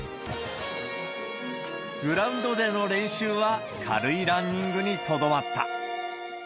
グラウンドでの練習は軽いランニングにとどまった。